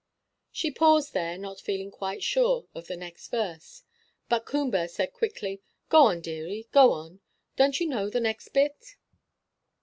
She paused there, not feeling quite sure of the next verse; but Coomber said quickly "Go on, deary, go on; don't you know the next bit?"